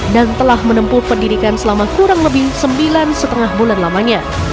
dan telah menempuh pendidikan selama kurang lebih sembilan lima bulan lamanya